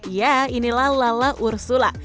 ya inilah lala ursula